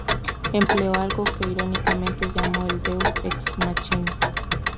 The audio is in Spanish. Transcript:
Empleó algo que irónicamente llamó el Deus Ex Machina.